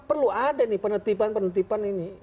perlu ada nih penertiban penertiban ini